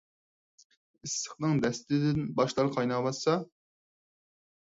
ئىسسىقنىڭ دەستىدىن باشلار قايناۋاتسا.